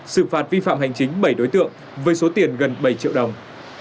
sự phạt vi phạm hành chính bảy đối tượng với số tiền gần bảy triệu đồng